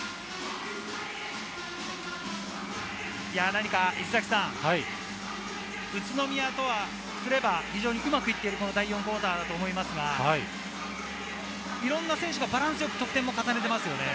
何か、宇都宮にすればうまくいっているこの第４クオーターだと思いますが、いろんな選手がバランスよく得点を重ねていますよね。